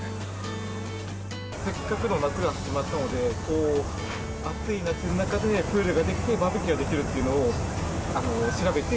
せっかくの夏が始まったので、暑い夏の中で、プールができて、バーベキューができるっていうのを調べて。